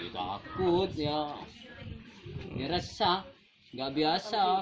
takut ya dia resah gak biasa